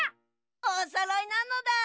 おそろいなのだ。